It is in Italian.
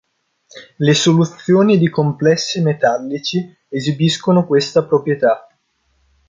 Le soluzioni di complessi metallici esibiscono questa proprietà.